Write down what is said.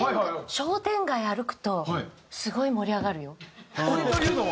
商店街歩くとすごい盛り上がるよ。というのは？